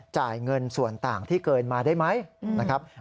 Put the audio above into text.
จ่ายเงินส่วนต่างที่เกินมาได้ไหมนะครับ